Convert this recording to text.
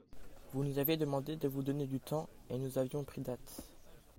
Vous nous aviez demandé de vous donner du temps, et nous avions pris date.